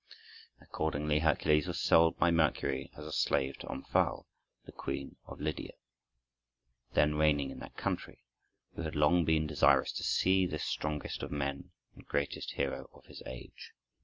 Accordingly Hercules was sold by Mercury as a slave to Omphale, the Queen of Lydia, then reigning in that country, who had long been desirous to see this strongest of men and greatest hero of his age.